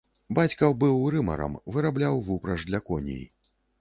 Бацька быў рымарам, вырабляў вупраж для коней.